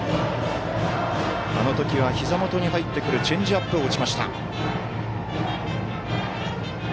あの時はひざ元に入ってくるチェンジアップを打ちました。